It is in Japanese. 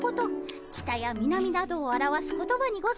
北や南などを表す言葉にございます。